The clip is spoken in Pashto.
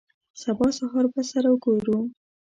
سبا سهار به سره ګورو.